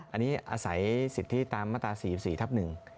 อันนี้อาศัยสิทธิตามมาตรา๔๔ทับ๑